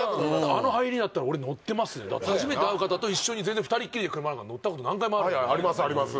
あの入りだったら俺乗ってますねそやな初めて会う方と一緒に全然２人っきりで車なんか乗ったこと何回もあるのではいはいありますあります